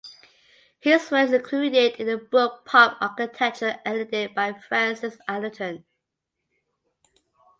His work is included in the book Pop Architecture edited by Frances Anderton.